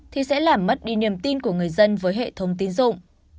thì sẽ làm mất đi niềm tin của người dân với hệ thống tín dụng